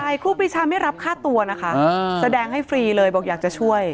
ใช่ครูปีชาไม่รับค่าตัวนะคะแสดงให้ฟรีเลยบอกอยากจะช่วย